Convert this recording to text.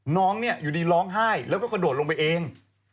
น้องเนี่ยอยู่ดีร้องไห้แล้วก็กระโดดลงไปเอง